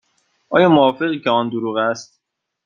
آیا موافقی که آن دروغ است؟